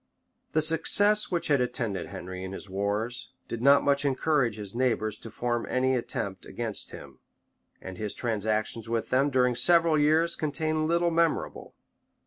The success which had attended Henry in his wars, did not much encourage his neighbors to form any attempt against him; and his transactions with them, during several years, contain little memorable.